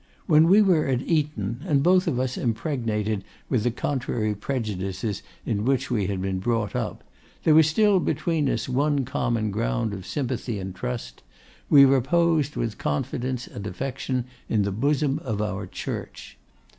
When we were at Eton, and both of us impregnated with the contrary prejudices in which we had been brought up, there was still between us one common ground of sympathy and trust; we reposed with confidence and affection in the bosom of our Church.